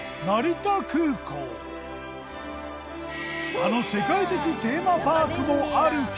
あの世界的テーマパークもある県。